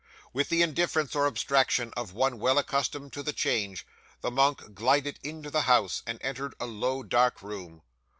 'With the indifference or abstraction of one well accustomed to the change, the monk glided into the house, and entered a low, dark room.